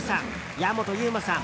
矢本悠馬さん